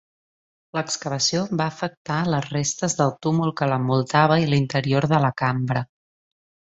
L'excavació va afectar les restes del túmul que l'envoltava i l'interior de la cambra.